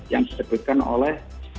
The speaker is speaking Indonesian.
yang disebutkan oleh